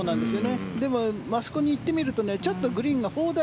でもあそこに行ってみるとちょっとグリーンが砲台